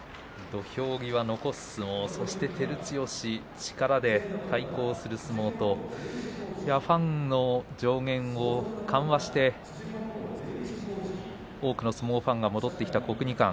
土俵際、残す相撲そして照強、力で対抗する相撲とファンの上限を緩和して多くの相撲をファンが戻ってきた国技館。